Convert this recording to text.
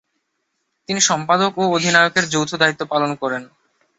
তিনি সম্পাদক ও অধিনায়কের যৌথ দায়িত্ব পালন করেন।